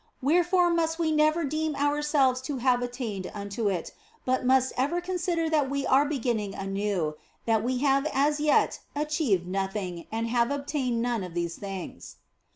Wherefore must we never deem ourselves to have attained unto it, but must ever consider that we are beginning anew, that we have as yet achieved nothing and have obtained none of these things.